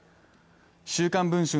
「週刊文春」